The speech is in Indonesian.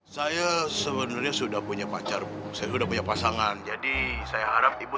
saya sebenarnya sudah punya pacar saya sudah punya pasangan jadi saya harap ibu